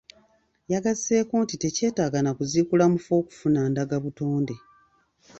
Yagasseeko nti tekyetaaga na kuziikula mufu okufuna ndagabutonde.